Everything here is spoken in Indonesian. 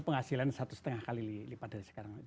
penghasilan satu lima kali lebih daripada sekarang